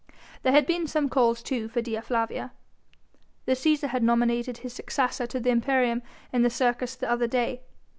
There had been some calls too for Dea Flavia. The Cæsar had nominated his successor to the imperium in the Circus the other day.